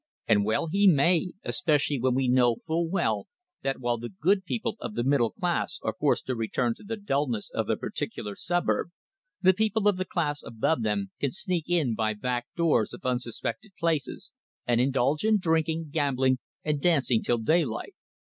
And well he may, especially when we know full well that while the good people of the middle class are forced to return to the dulness of their particular suburb, the people of the class above them can sneak in by back doors of unsuspected places, and indulge in drinking, gambling, and dancing till daylight.